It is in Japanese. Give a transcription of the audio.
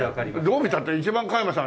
どう見たって一番加山さん